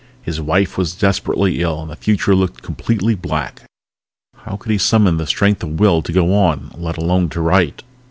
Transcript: His wife was desperately ill and the future looked completely black. How could he summon the strength of will to go on, let alone to write?